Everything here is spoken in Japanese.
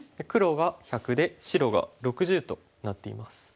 黒が１００で白が６０となっています。